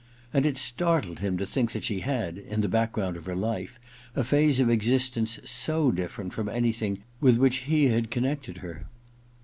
And it startled him to think that she had, in the back ground of her life, a phase of existence so difierent from anything with which he had con nected her.